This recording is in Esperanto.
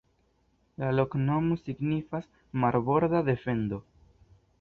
La loknomo signifas: "Marborda defendo".